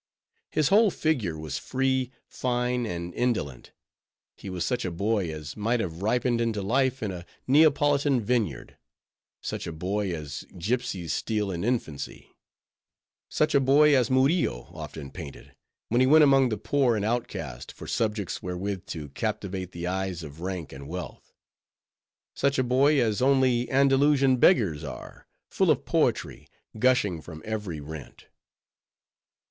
His whole figure was free, fine, and indolent; he was such a boy as might have ripened into life in a Neapolitan vineyard; such a boy as gipsies steal in infancy; such a boy as Murillo often painted, when he went among the poor and outcast, for subjects wherewith to captivate the eyes of rank and wealth; such a boy, as only Andalusian beggars are, full of poetry, gushing from every rent.